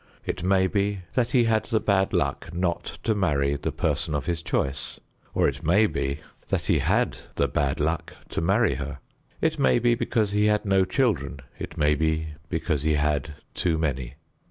It may be that he had the bad luck not to marry the person of his choice, or it may be that he had the bad luck to marry her. It may be because he had no children; it may be because he had too many.